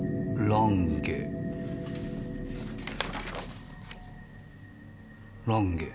「ランゲ」？